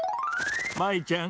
舞ちゃん。